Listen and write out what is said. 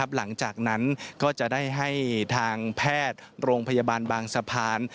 หลังจากนั้นก็จะได้ให้ทางแพทย์โรงพยาบาลบางสะพาน